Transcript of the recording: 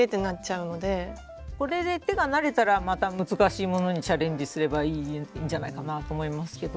これで手が慣れたらまた難しいものにチャレンジすればいいんじゃないかなと思いますけど。